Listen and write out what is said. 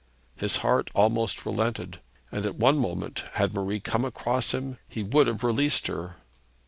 His heart almost relented; and at one moment, had Marie come across him, he would have released her.